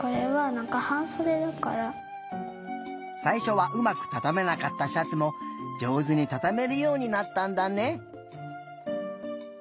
さいしょはうまくたためなかったシャツもじょうずにたためるようになったんだね。